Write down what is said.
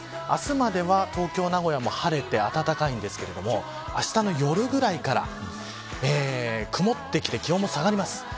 明日までは東京、名古屋も晴れて暖かいですが明日の夜ぐらいから曇ってきて気温も下がります。